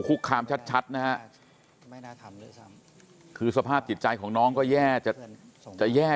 คุณกัลจอมพลังบอกจะมาให้ลบคลิปได้อย่างไร